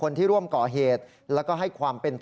เพราะถูกทำร้ายเหมือนการบาดเจ็บเนื้อตัวมีแผลถลอก